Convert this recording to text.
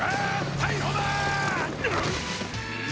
逮捕だー！